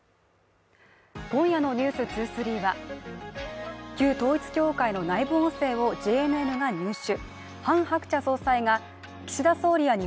今夜の「ｎｅｗｓ２３」は旧統一教会の内部音声を、ＪＮＮが入手。